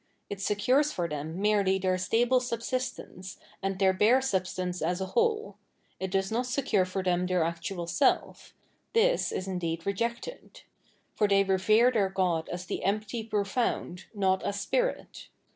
It secures for them merely their stable subsistence, and their bare substance as a whole ; it does not secure for them their actual self ; this is indeed rejected. For they revere their god as the empty profound, not as spirit.